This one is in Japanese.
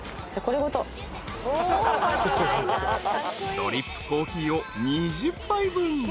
［ドリップコーヒーを２０杯分。